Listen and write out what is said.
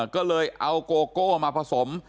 ก็เลยเอาโกโก้มาผสม